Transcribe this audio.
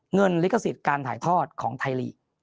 ลิขสิทธิ์การถ่ายทอดของไทยลีก